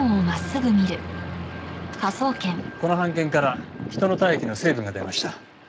この半券から人の体液の成分が出ました。